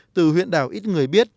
từ huyện đảo ít người biết